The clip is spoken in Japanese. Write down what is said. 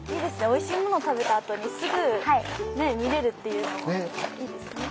おいしいものを食べたあとにすぐね見れるっていうのもいいですね。